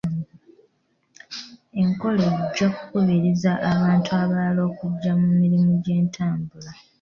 Enkola ejja kukubiriza abantu abalala okujja mu mirimu gy'entambula.